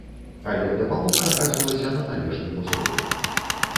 Але дапамога аказвалася на належным узроўні.